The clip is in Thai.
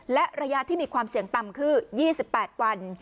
และระยะที่มีความเสี่ยงต่ำคือ๒๘วัน